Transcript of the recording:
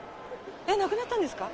え、亡くなったんですか。